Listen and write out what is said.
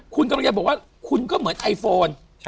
คุณกำลังจะบอกว่าคุณก็เหมือนไอโฟน